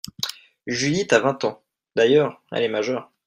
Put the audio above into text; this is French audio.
Judith a vingt ans, d’ailleurs, elle est majeure.